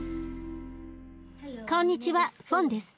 こんにちはフオンです。